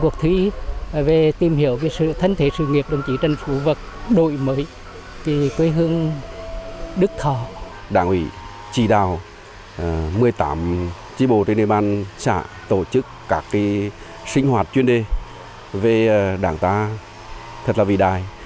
chỉ bổ trên địa bàn xã tổ chức các sinh hoạt chuyên đề về đảng ta thật là vĩ đại